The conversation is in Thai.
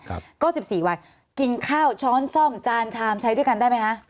ก็๑๔วันกินข้าวช้อนซ่อมจานชามใช้ด้วยกันได้ไหมฮะ